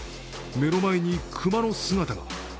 目の前に熊の姿が。